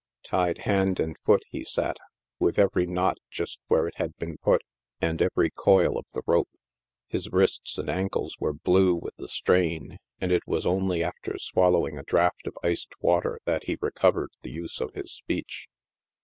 Tied hand and foot he sat, with every knot just where it had been put, and every coil of the rope. His wrists and ankles were blue with the strain, and it was only after swallowing a draught of iced water that he recovered the use of his speech.